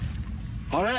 あれ？